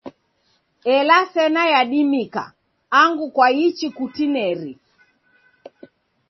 Ela sena yadimika angu kwaichi kutineri.